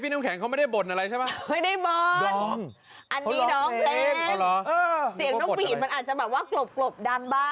ตั้งตามในกลางน้ำตา